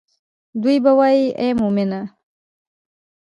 دوي به وائي اے مومنه!